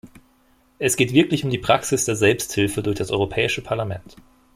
Es geht wirklich um die Praxis der Selbsthilfe durch das Europäische Parlament.